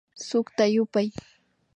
Sukta yupay